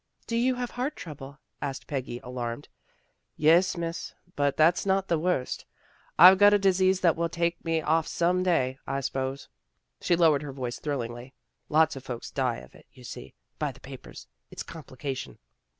" Do you have heart trouble? " asked Peggy, alarmed. " Yes, Miss. But that's not the worst. I've got a disease that will take me off some day, I s'pose." She lowered her voice thrillingly. " Lots of folks die of it. You'll see by the papers. It's complication."